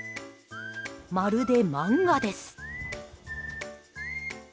まるで漫画です。